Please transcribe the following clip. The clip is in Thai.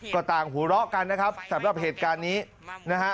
ก็ต่างหัวเราะกันนะครับสำหรับเหตุการณ์นี้นะฮะ